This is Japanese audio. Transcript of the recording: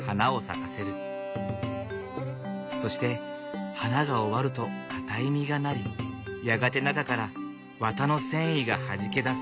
そして花が終わると硬い実がなりやがて中から綿の繊維がはじけ出す。